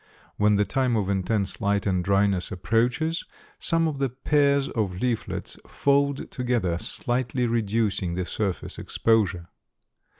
When the time of intense light and dryness approaches some of the pairs of leaflets fold together, slightly reducing the surface exposure.